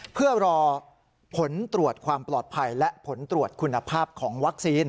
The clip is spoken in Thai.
เพื่อรอผลตรวจความปลอดภัยและผลตรวจคุณภาพของวัคซีน